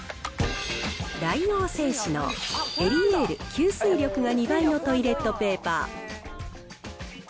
大王製紙のエリエール吸水力が２倍のトイレットペーパー。